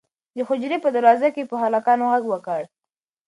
د حجرې په دروازه کې یې په هلکانو غږ وکړ.